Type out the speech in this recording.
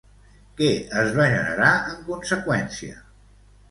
Què es va generar en conseqüència?